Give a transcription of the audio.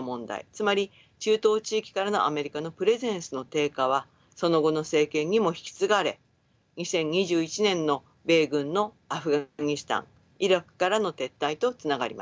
つまり中東地域からのアメリカのプレゼンスの低下はその後の政権にも引き継がれ２０２１年の米軍のアフガニスタンイラクからの撤退とつながりました。